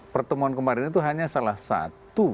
pertemuan kemarin itu hanya salah satu